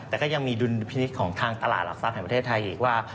แต่ก็ยังมีดุลพินิษฐ์ของทางตลาดหลักทรัพย์แห่งประเทศไทยอีกว่า